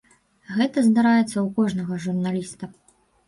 Гэта здараецца ў кожнага журналіста.